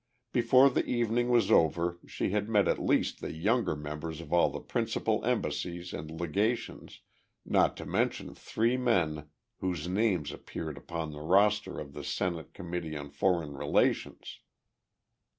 Before the evening was over she had met at least the younger members of all the principal embassies and legations, not to mention three men whose names appeared upon the roster of the Senate Committee on Foreign Relations.